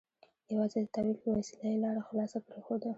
یوازې د تأویل په وسیله یې لاره خلاصه پرېښوده.